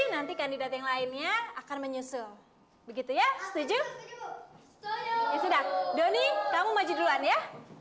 nanti kandidat yang lainnya akan menyusul begitu ya setuju ya sudah doni kamu maju duluan ya